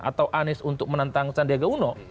atau anies untuk menantang sandiaga uno